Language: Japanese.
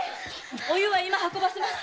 お湯は今運ばせます。